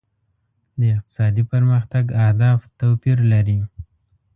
د اقتصادي پرمختګ اهداف توپیر لري.